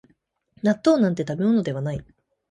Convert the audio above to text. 納豆なんて食べ物ではない